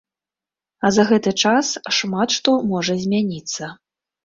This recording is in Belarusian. А за гэты час шмат што можа змяніцца.